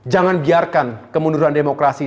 jangan biarkan kemunduran demokrasi